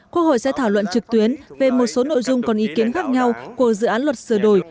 quốc hội sẽ thảo luận trực tuyến về một số nội dung còn ý kiến khác nhau của dự án luật sửa đổi